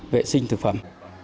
vệ sinh thực phẩm